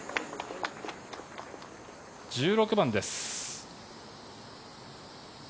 １６番です。